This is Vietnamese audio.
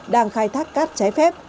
đang khai thác cát trái phép